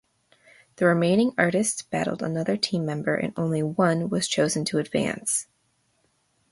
The remaining artists battled another team member and only one was chosen to advance.